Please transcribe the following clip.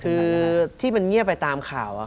คือที่มันเงียบไปตามข่าว